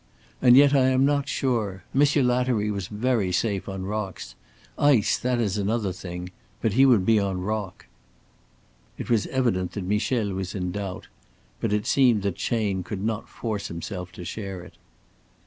And yet I am not sure. Monsieur Lattery was very safe on rocks. Ice, that is another thing. But he would be on rock." It was evident that Michel was in doubt, but it seemed that Chayne could not force himself to share it.